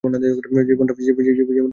জীবন টা বেদনা, তাই না?